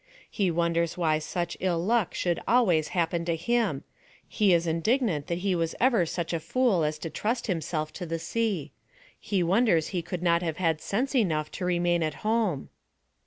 He wonders why such ill luck should always happen to him; he is indig nant that he was ever such a fool as to trust himself to the sea ; he wonders he could not have had sense enough to remain at home.